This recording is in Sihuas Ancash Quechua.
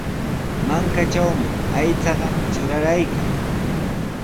Mankatrawmi aychaqa truraraykan.